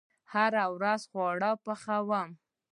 هره ورځ خواړه پخوم